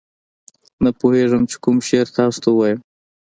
نه پوهېږم چې کوم شعر تاسو ته ووایم.